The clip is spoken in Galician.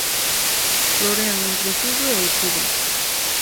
Florean entre xullo e outubro.